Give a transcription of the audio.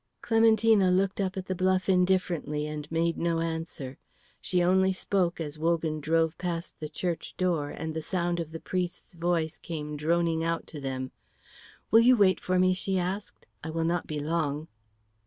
Clementina looked up at the bluff indifferently and made no answer. She only spoke as Wogan drove past the church door, and the sound of the priest's voice came droning out to them. "Will you wait for me?" she asked. "I will not be long."